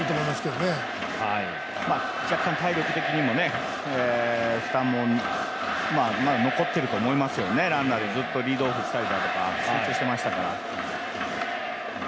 若干体力的にもね、負担も残っていると思いますよね、ランナーでずっとリードオフしたりとか集中してましたから。